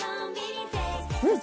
うん？